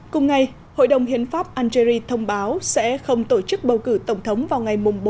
cùng ngày hội đồng hiến pháp algeri thông báo sẽ không tổ chức bầu cử tổng thống vào ngày bốn